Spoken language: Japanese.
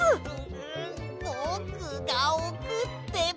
んぼくがおくってば！